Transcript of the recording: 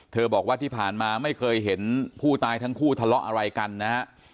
บอกว่าที่ผ่านมาไม่เคยเห็นผู้ตายทั้งคู่ทะเลาะอะไรกันนะฮะ